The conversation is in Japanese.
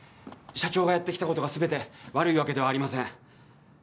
社長がやってきた事が全て悪いわけではありません。